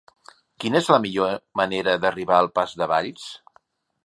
Quina és la millor manera d'arribar al pas de Valls?